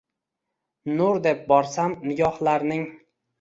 Nur deb borsam nigohlarning